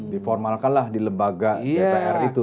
di formalkanlah di lembaga ppr itu